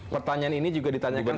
pertanyaan ini juga ditanyakan